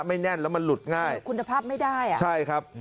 แน่นแล้วมันหลุดง่ายคุณภาพไม่ได้อ่ะใช่ครับ